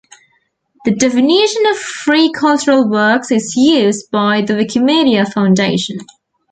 The "Definition of Free Cultural Works" is used by the Wikimedia Foundation.